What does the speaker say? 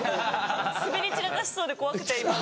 スベり散らかしそうで怖くて今。